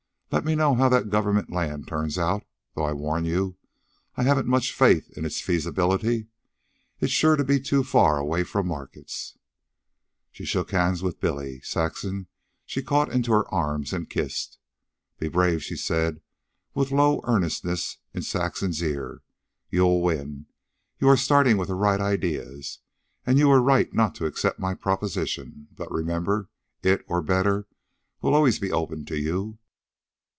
Let me know how that government land turns out, though I warn you I haven't much faith in its feasibility. It's sure to be too far away from markets." She shook hands with Billy. Saxon she caught into her arms and kissed. "Be brave," she said, with low earnestness, in Saxon's ear. "You'll win. You are starting with the right ideas. And you were right not to accept my proposition. But remember, it, or better, will always be open to you.